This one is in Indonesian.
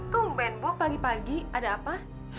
tumben bu pagi pagi ada apa